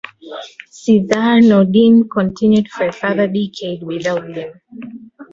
Sizaire-Naudin continued for a further decade without them.